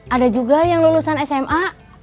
ada juga yang lulusan sma